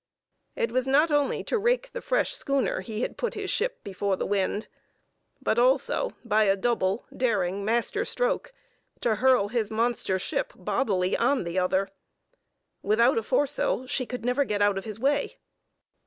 It was not only to rake the fresh schooner he had put his ship before the wind, but also by a double, daring, master stroke to hurl his monster ship bodily on the other. Without a foresail she could never get out of his way.